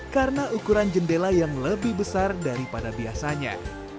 karena ukuran jendela yang lebih besar daripada biasanya